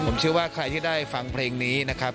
ผมเชื่อว่าใครที่ได้ฟังเพลงนี้นะครับ